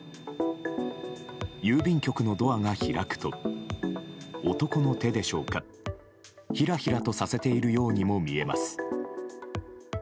郵便局のドアが開くと男の手でしょうかひらひらとさせているようにも見えます。